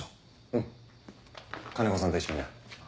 おう金子さんと一緒にな。